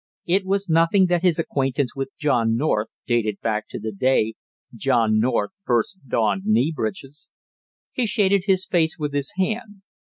It was nothing that his acquaintance with John North dated back to the day John North first donned knee breeches. He shaded his face with his hand.